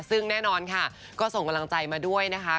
ซึ่งแน่นอนค่ะก็ส่งกำลังใจมาด้วยนะคะ